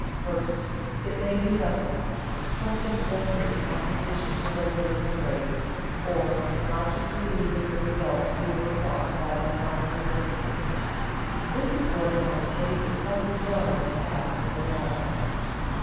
_ First, it may do nothing, trusting vainly to competition to regulate the rate, or consciously leaving the result to be worked out by the monopoly principle; this is what in most cases has been done in the past in America.